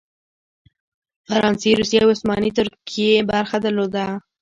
فرانسې، روسیې او عثماني ترکیې برخه درلوده.